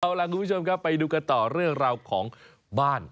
เอาล่ะคุณผู้ชมครับไปดูกันต่อเรื่องราวของบ้าน